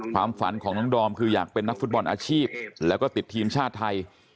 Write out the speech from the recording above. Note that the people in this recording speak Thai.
ความฝันของน้องดอมคืออยากเป็นนักฟุตบอลอาชีพแล้วก็ติดทีมชาติไทย